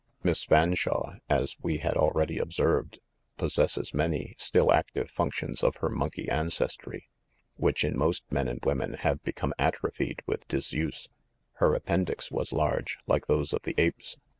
Miss Fan shawe, as we had already observed, possesses many still active functions of her monkey ancestry, which in most men and women have become atrophied with dis use. Her appendix was large, like those of the apes.